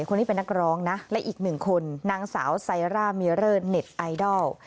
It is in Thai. คนนี้เป็นนักร้องนะและอีกหนึ่งคนนางสาวไซร่าเมเลอร์เน็ตไอดอล